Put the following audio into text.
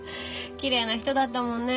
奇麗な人だったもんね